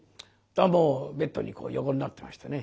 もうベッドにこう横になってましてね。